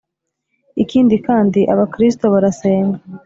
Ikindi kandi aba Kristo barasenga